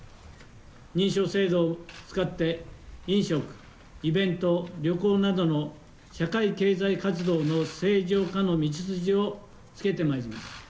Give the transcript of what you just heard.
認証制度を使って、飲食、イベント、旅行などの社会経済活動の正常化の道筋をつけてまいります。